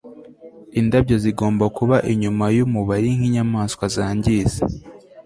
indabyo zigomba kuba inyuma yumubari nkinyamaswa zangiza